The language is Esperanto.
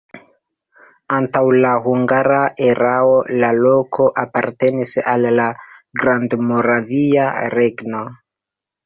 Antaŭ la hungara erao la loko apartenis al la Grandmoravia Regno.